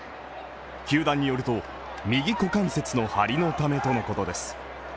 球団によると、右股関節の張りのためとのことです。